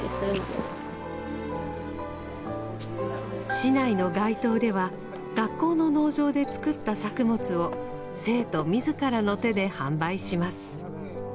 市内の街頭では学校の農場で作った作物を生徒自らの手で販売します。